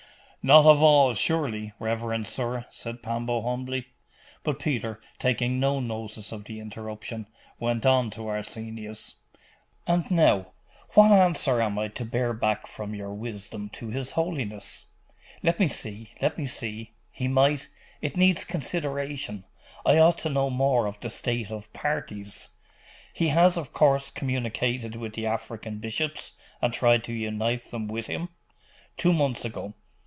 'Not of all, surely, reverend sir?' said Pambo humbly. But Peter, taking no notice of the interruption, went on to Arsenius 'And now, what answer am I to bear back from your wisdom to his holiness?' 'Let me see let me see. He might it needs consideration I ought to know more of the state of parties. He has, of course, communicated with the African bishops, and tried to unite them with him?' 'Two months ago.